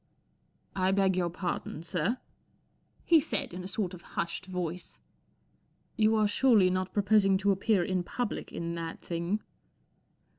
'* 1 beg your pardon, sir," he said, in a sort of hushed voice " You are surely not proposing to appear in public in that thing